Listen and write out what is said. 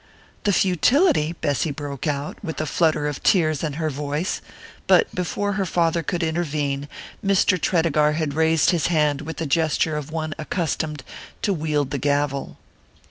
"The futility ?" Bessy broke out, with a flutter of tears in her voice; but before her father could intervene Mr. Tredegar had raised his hand with the gesture of one accustomed to wield the gavel.